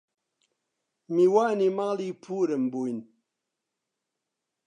میوانی ماڵی پوورم بووین